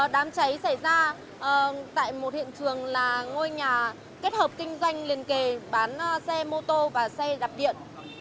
đám cháy xảy ra tại một hiện trường là ngôi nhà kết hợp kinh doanh liên kề bán xe mô tô và xe đạp điện